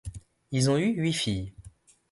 Ils ont eu huit filles.